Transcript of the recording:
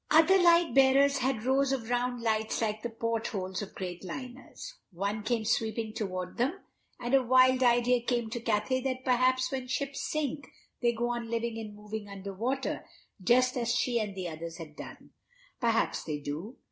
Other light bearers had rows of round lights like the portholes of great liners. One came sweeping toward them, and a wild idea came to Cathay that perhaps when ships sink they go on living and moving underwater just as she and the others had done. Perhaps they do.